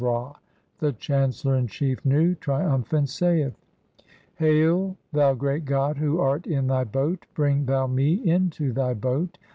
The chancellor in chief, Nu, triumphant, saith :— "Hail, thou Great God who art in thy boat, bring thou me "into thy boat.